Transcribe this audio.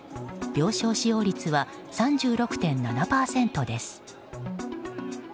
病床使用率は３６．７％です。